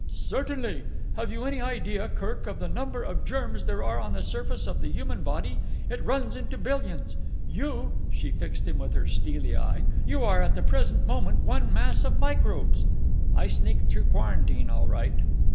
"Certainly. Have you any idea, Kirk, of the number of germs there are on the surface of the human body? It runs into billions. You"—she fixed him with her steely eye—"you are at the present moment one mass of microbes." "I sneaked through quarantine all right."